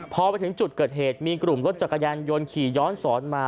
พอไปถึงจุดเกิดเหตุมีกลุ่มรถจักรยานยนต์ขี่ย้อนสอนมา